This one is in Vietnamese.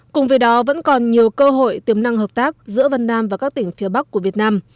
cùng với đó vẫn còn nhiều cơ hội tiềm năng hợp tác giữa vân nam và các tỉnh phía bắc của việt nam